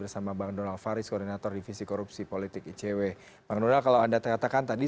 sampai jumpa kembali